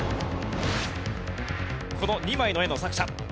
この２枚の絵の作者。